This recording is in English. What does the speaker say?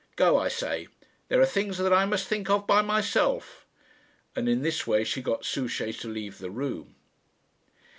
Go, I say. There are things that I must think of by myself." And in this way she got Souchey to leave the room.